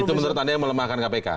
itu menurut anda yang melemahkan kpk